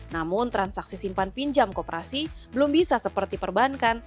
namun transaksi simpan pinjam kooperasi belum bisa seperti perbankan